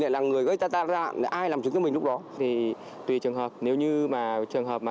lại là người gây tai nạn để ai làm chứng cho mình lúc đó thì tùy trường hợp nếu như mà trường hợp mà